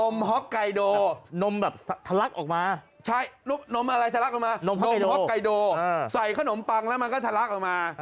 มี๒๐หน้าชาไทยก็มีแต่ไฮไลท์ของเขาคือนม